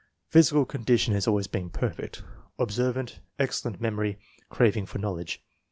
Physical condition has always been perfect. Observant, excellent memory, craving for knowledge.